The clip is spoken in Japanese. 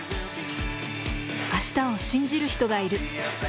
明日を信じる人がいる。